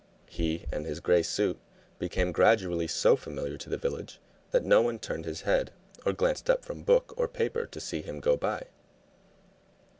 He and his gray suit became gradually so familiar to the village that no one turned his head or glanced up from book or paper to see him go by.